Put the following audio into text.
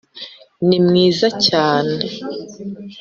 ni mwiza cyane